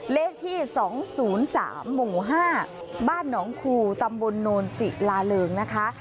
เลขที่สองศูนย์สามโมงห้าบ้านหนองครูตำบลโนนสิราเลิงนะคะ